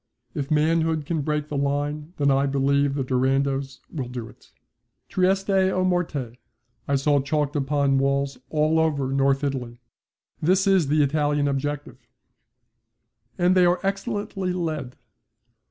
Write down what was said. If manhood can break the line, then I believe the Durandos will do it. 'Trieste o morte!' I saw chalked upon the walls all over North Italy. That is the Italian objective. And they are excellently led.